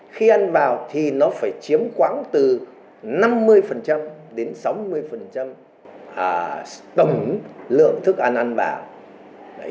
khi ăn vào thì nó phải chiếm khoảng từ năm mươi đến sáu mươi tổng lượng thức ăn ăn vào